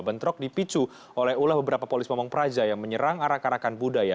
bentrok dipicu oleh ulah beberapa polisi pamong peraja yang menyerang arah karakan budaya